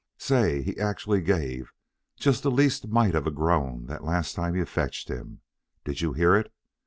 "Say, he actually gave just the least mite of a groan that last time you fetched him. Did you hear it?